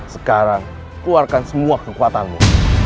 sekarang keluarkan semua kekuatanmu